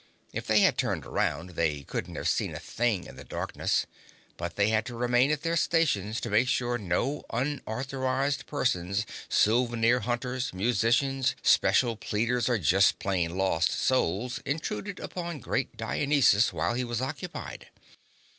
If they had turned around, they couldn't have seen a thing in the darkness. But they had to remain at their stations, to make sure no unauthorized persons, souvenir hunters, musicians, special pleaders or just plain lost souls intruded upon great Dionysus while he was occupied.